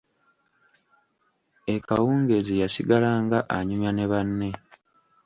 Ekawungeezi yasigalanga annyumya ne banne.